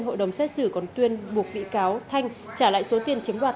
hội đồng xét xử còn tuyên buộc bị cáo thanh trả lại số tiền chiếm đoạt